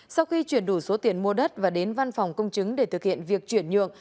sau khi chuyển đủ số tiền mua đất và đến văn phòng công chứng để thực hiện việc chuyển nhượng